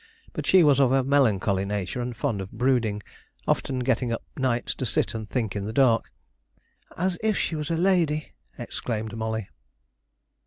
But she was of a melancholy nature and fond of brooding, often getting up nights to sit and think in the dark: "as if she was a lady!" exclaimed Molly.